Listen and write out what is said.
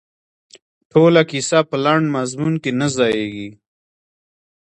ټوله کیسه په لنډ مضمون کې نه ځاییږي.